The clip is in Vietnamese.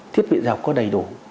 thiết bị giáo có đầy đủ